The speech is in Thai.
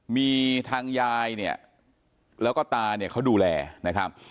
มีทางยายเนี่ยแล้วก็ตาเนี่ยเขาดูแลนะครับ